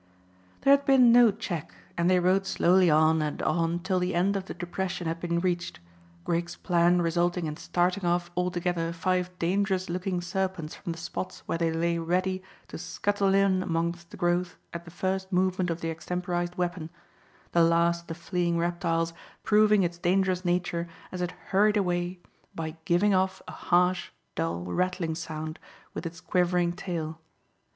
There had been no check, and they rode slowly on and on till the end of the depression had been reached, Griggs's plan resulting in starting off altogether five dangerous looking serpents from the spots where they lay ready to scuttle in amongst the growth at the first movement of the extemporised weapon the last of the fleeing reptiles proving its dangerous nature as it hurried away by giving off a harsh, dull, rattling sound with its quivering tail.